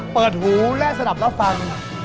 เปิดหูและสนับรับฟัง